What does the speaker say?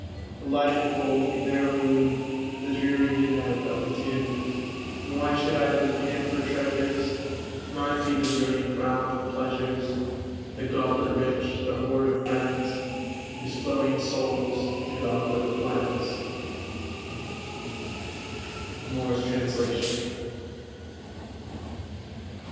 The light of gold can ne'er illume The dreary midnight of the tomb! And why should I then pant for treasures? Mine be the brilliant round of pleasures; The goblet rich, the hoard of friends, Whose flowing souls the goblet blends! Moore's Translation.